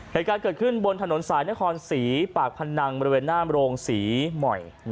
เหตุการณ์เกิดขึ้นบนถนนสายนครศรีปากพนังบริเวณหน้าโรงศรีหม่อย